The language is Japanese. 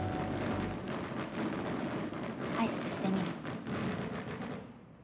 挨拶してみる？